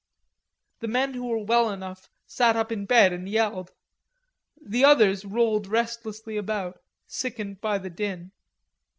The men who were well enough sat up in bed and yelled. The others rolled restlessly about, sickened by the din.